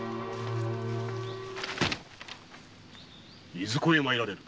いずこへ参られる？